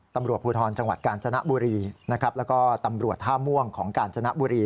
ตำรวจภูทรจังหวัดกาญจนบุรีนะครับแล้วก็ตำรวจท่าม่วงของกาญจนบุรี